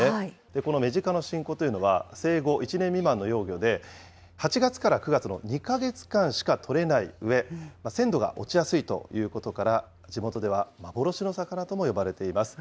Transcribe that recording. このメジカの新子というのは、生後１年未満の幼魚で、８月から９月の２か月間しかとれないうえ、鮮度が落ちやすいということから、地元では幻の魚とも呼ばれています。